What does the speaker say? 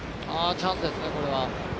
チャンスですね、これは。